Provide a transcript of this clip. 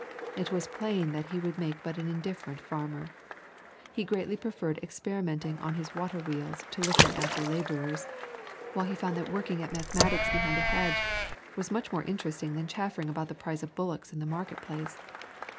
It was plain that he would make but an indifferent farmer. He greatly preferred experimenting on his water wheels to looking after labourers, while he found that working at mathematics behind a hedge was much more interesting than chaffering about the price of bullocks in the market place.